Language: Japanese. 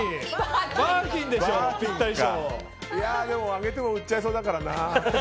あげても売っちゃいそうだからな。